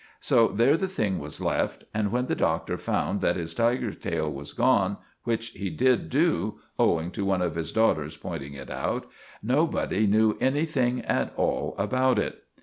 So there the thing was left, and when the Doctor found that his tiger's tail was gone—which he did do, owing to one of his daughters pointing it out—nobody knew anything at all about it.